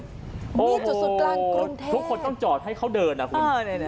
มีจุดสุดกลางกลุ่นแท่โอ้โหทุกคนต้องจอดให้เขาเดินนะคุณ